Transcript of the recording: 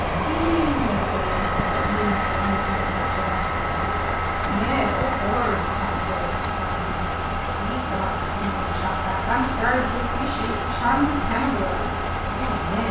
"Hee hee!" Ned put in, with a meaningful movement of his jaws. "Ned! Oh horrors!" Conseil exclaimed. "Ye gods," the Canadian shot back, "I'm starting to appreciate the charms of cannibalism!" "Ned, Ned!